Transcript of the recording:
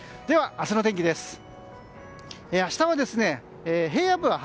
では、明日の天気です。